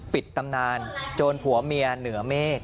ตำนานโจรผัวเมียเหนือเมฆ